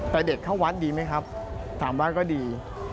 แต่เด็กเข้าวัดดีไหมครับ๓วัดก็ดี